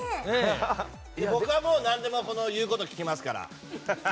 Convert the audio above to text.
僕は何でも言うこと聞きますから。